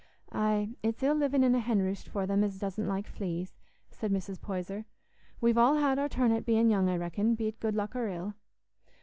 "Aye, it's ill livin' in a hen roost for them as doesn't like fleas," said Mrs. Poyser. "We've all had our turn at bein' young, I reckon, be't good luck or ill."